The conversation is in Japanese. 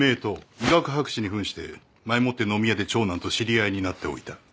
医学博士に扮して前もって飲み屋で長男と知り合いになっておいた。